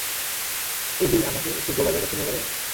এলি, আমাকে একটু জো বার্গারের কাছে নিয়ে যাবে?